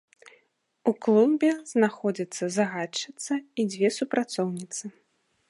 У клубе знаходзіцца загадчыца і дзве супрацоўніцы.